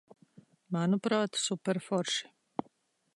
Manuprāt, superforši.